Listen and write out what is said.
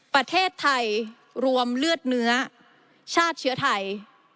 ประเทศไทยรวมเลือดเนื้อชาติเชื้อไทย